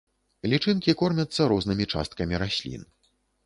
Лічынкі кормяцца рознымі часткамі раслін.